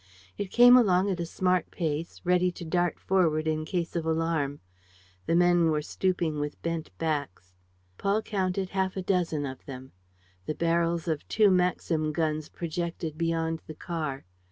It came along at a smart pace, ready to dart forward in case of alarm. The men were stooping with bent backs. Paul counted half a dozen of them. The barrels of two Maxim guns projected beyond the car.